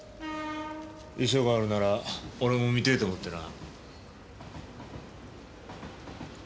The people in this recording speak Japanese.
遺書があるなら俺も見てえと思ってな。